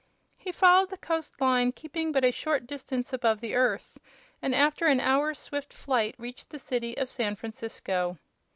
He followed the coast line, keeping but a short distance above the earth, and after an hour's swift flight reached the city of San Francisco.